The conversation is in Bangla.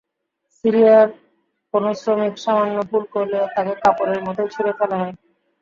সিরিয়ার কোনো শ্রমিক সামান্য ভুল করলেও তাকে কাপড়ের মতোই ছুড়ে ফেলা হয়।